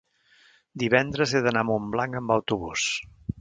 divendres he d'anar a Montblanc amb autobús.